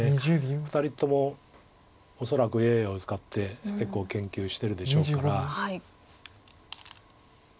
２人とも恐らくＡＩを使って結構研究してるでしょうから。